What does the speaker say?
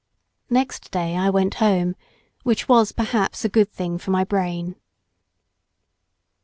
Next day I went home, which was perhaps a good thing for my brain.